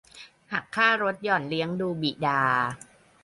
หักค่าลดหย่อนเลี้ยงดูบิดา